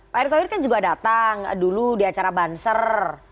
pak erick thohir kan juga datang dulu di acara banser